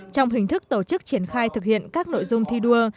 trong hình thức tổ chức triển khai thực hiện các nội dung thi đua